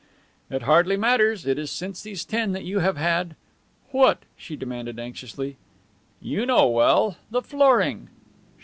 "It hardly matters. It is since these ten that you have had..." "What?" she demanded anxiously. "You know well the flooring."